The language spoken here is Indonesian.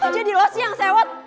kok jadi lo sih yang sewet